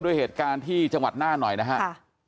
ด้วยเหตุการณ์ที่จังหวัดน่านหน่อยนะครับ